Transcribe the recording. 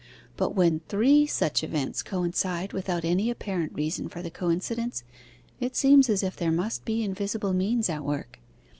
But when three such events coincide without any apparent reason for the coincidence, it seems as if there must be invisible means at work.